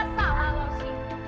kerasa sama kamu sih